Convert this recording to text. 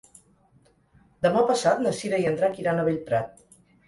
Demà passat na Cira i en Drac iran a Bellprat.